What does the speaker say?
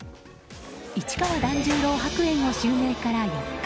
市川團十郎白猿の襲名から４日。